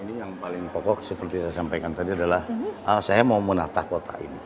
ini yang paling pokok seperti saya sampaikan tadi adalah saya mau menata kota ini